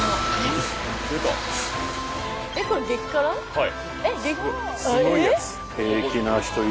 はい。